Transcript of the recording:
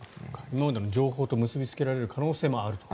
今までの情報と結びつけられる可能性もあると。